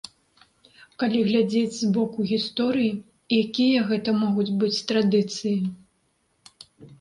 Калі глядзець з боку гісторыі, якія гэта могуць быць традыцыі?